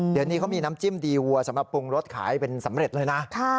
เดี๋ยวนี้เขามีน้ำจิ้มดีวัวสำหรับปรุงรสขายเป็นสำเร็จเลยนะ